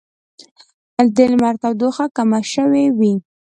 د لمر تودوخه کمه شوې وي